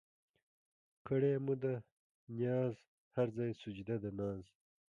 کړېده مو ده نياز هر ځای سجده د ناز